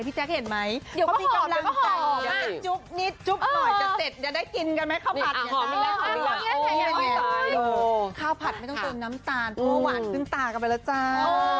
ผัดหวานขึ้นตากันไปแล้วจ้า